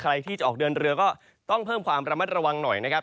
ใครที่จะออกเดินเรือก็ต้องเพิ่มความระมัดระวังหน่อยนะครับ